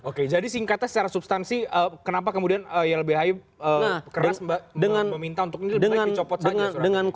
oke jadi singkatnya secara substansi kenapa kemudian ylbhi keras meminta untuk ini lebih baik dicopot saja